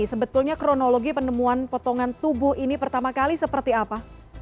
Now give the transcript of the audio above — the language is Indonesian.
sebetulnya kronologi penemuan potongan tubuh ini pertama kali seperti apa